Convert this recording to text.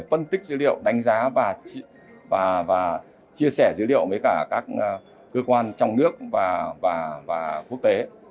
phân tích dữ liệu đánh giá và chia sẻ dữ liệu với cả các cơ quan trong nước và quốc tế